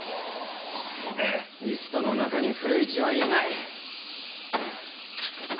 リストの中に古市はいない！